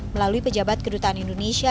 melalui pejabat kedutaan indonesia